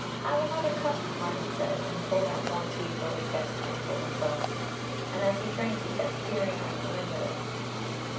"Have another cup," Martin said and poured out more tea for his guest and for himself, and as he drank, he kept peering out of the window.